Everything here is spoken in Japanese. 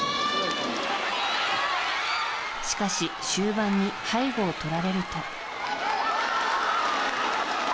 しかし終盤に背後をとられると。